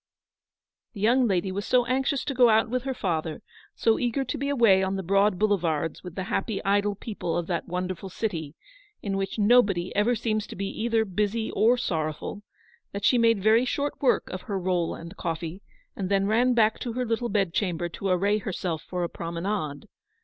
The young lady was so anxious to go out with her father, so eager to be away on the broad boulevards with the happy idle people of that wonderful city in which nobody ever seems to be either busy or sorrowful, that she made very short work of her roll and coffee, and then ran back to her little bed chamber to array herself for a promenade.